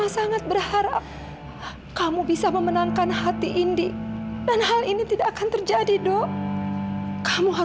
sampai jumpa di video selanjutnya